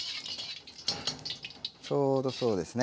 ちょうどそうですね